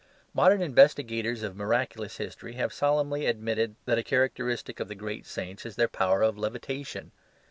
Modern investigators of miraculous history have solemnly admitted that a characteristic of the great saints is their power of "levitation."